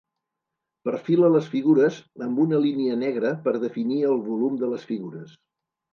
Perfila les figures amb una línia negra per definir el volum de les figures.